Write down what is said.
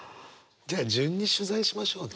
じゃあ順に取材しましょうね。